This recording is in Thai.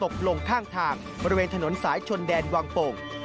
ตกลงข้างทางบริเวณถนนสายชนแดนวังโป่ง